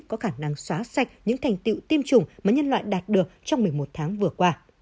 có khả năng xóa sạch những thành tiệu tiêm chủng mà nhân loại đạt được trong một mươi một tháng vừa qua